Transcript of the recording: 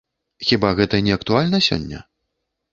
Хіба гэта не актуальна сёння?